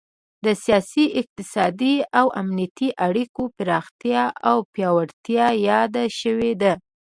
د سیاسي، اقتصادي او امنیتي اړیکو پراختیا او پیاوړتیا یاده شوې ده